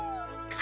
か！